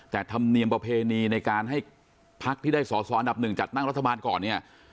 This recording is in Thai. แต่ทำเนียมประเพณีในการให้ภาคที่ได้สรอันดับ๑จัดตั้งรัฐบาลก่อน